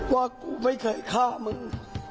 ว่ากูไม่เคยฆ่ามึง